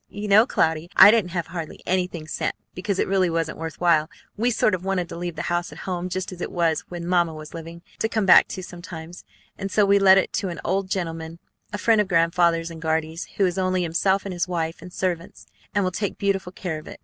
You know, Cloudy, I didn't have hardly anything sent, because it really wasn't worth while. We sort of wanted to leave the house at home just as it was when Mamma was living, to come back to sometimes; and so we let it to an old gentleman, a friend of Grandfather's and Guardy's, who has only himself and his wife and servants, and will take beautiful care of it.